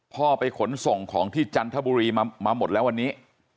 พ่อไปขนส่งของที่จันทบุรีมาหมดแล้ววันนี้